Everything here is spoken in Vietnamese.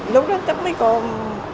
lúc đó chắc mấy con